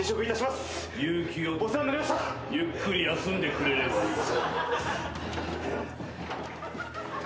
ゆっくり休んでくれればいい。